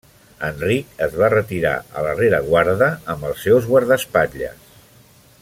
Enric es va retirar a la rereguarda amb els seus guardaespatlles.